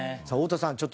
さあ太田さん